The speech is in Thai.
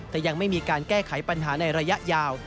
แต่ยังไม่มีการแก้ไขปัญหาในระยะยาว